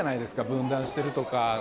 分断しているとか。